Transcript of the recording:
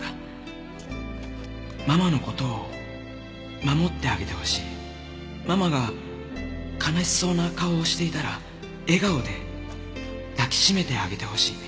「ママの事を守ってあげてほしい」「ママが悲しそうな顔をしていたら笑顔で抱き締めてあげてほしい」